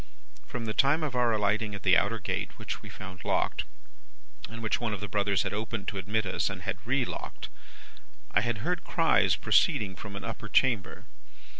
"From the time of our alighting at the outer gate (which we found locked, and which one of the brothers had opened to admit us, and had relocked), I had heard cries proceeding from an upper chamber.